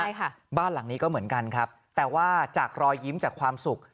ใช่ค่ะบ้านหลังนี้ก็เหมือนกันครับแต่ว่าจากรอยยิ้มจากความสุข